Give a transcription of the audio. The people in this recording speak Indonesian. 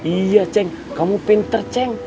iya ceng kamu pinter ceng